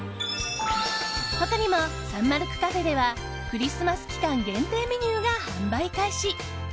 他にもサンマルクカフェではクリスマス期間限定メニューが販売開始。